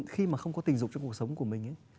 khi mà không có tình dục trong cuộc sống của mình ấy